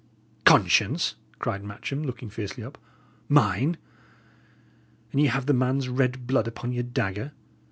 "Conscience!" cried Matcham, looking fiercely up. "Mine! And ye have the man's red blood upon your dagger!